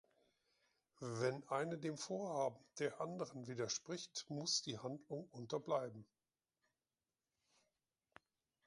Wenn eine dem Vorhaben der anderen widerspricht, muss die Handlung unterbleiben.